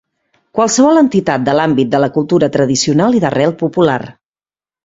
Qualsevol entitat de l'àmbit de la cultura tradicional i d'arrel popular.